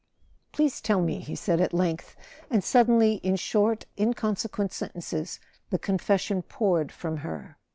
"Please tell me," he said at length; and suddenly, in short inconsequent sentences, the confession poured from her.